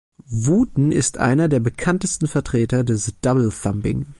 Wooten ist einer der bekanntesten Vertreter des "Double-Thumbing".